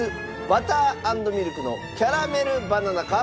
バター＆ミルクのキャラメルバナナか？